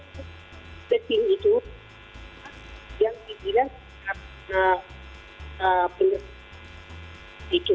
jadi artis the king itu yang dikira karena penyelamat itu